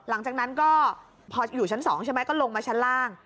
หลังจากนั้นก็พออยู่ชั้น๒ใช่ไหมก็ลงมาชั้นล่าง